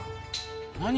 何？